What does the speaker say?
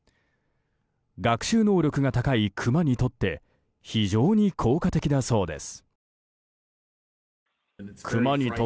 学習能力が高いクマにとって非常に効果的だそうです。